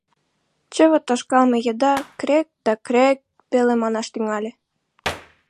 Чыве тошкалме еда кре-эк да кре-э-эк веле манаш тӱҥале.